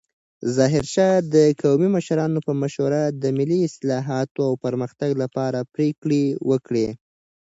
ظاهرشاه د قومي مشرانو په مشوره د ملي اصلاحاتو او پرمختګ لپاره پریکړې وکړې.